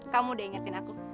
kamu udah ingetin aku